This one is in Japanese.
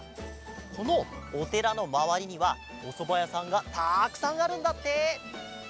このおてらのまわりにはおそばやさんがたくさんあるんだって！